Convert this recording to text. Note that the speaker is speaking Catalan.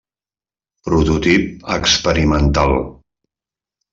Prototip experimental.